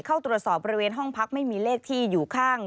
เข้าตรวจสอบบริเวณห้องพักไม่มีเลขที่อยู่ข้าง